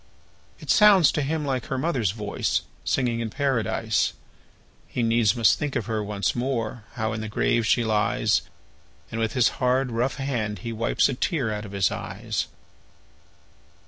It sounds to him like her mother's voice, Singing in Paradise! He needs must think of her once more How in the grave she lies; And with his hard, rough hand he wipes A tear out of his eyes.